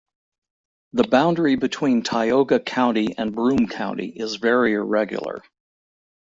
The boundary between Tioga County and Broome County is very irregular.